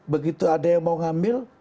begitu ada yang mau ngambil